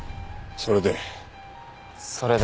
それで？